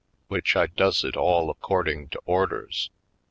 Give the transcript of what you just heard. Which I does it all according to orders.